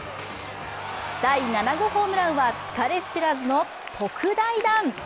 第７号ホームランは、疲れ知らずの特大弾。